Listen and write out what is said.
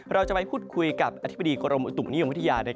เราจะไปพูดคุยกับอธิบดีกรมอุตุนิยมวิทยา